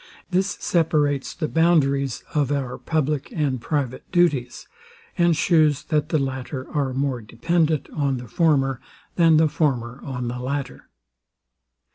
This separates the boundaries of our public and private duties, and shews that the latter are more dependant on the former, than the former on the latter.